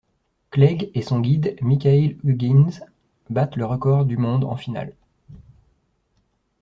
Clegg et son guide Mikail Huggins battent le record du monde en finale.